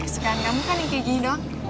sekarang kamu kan yang keji doang